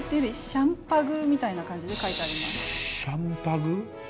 シャンパグ。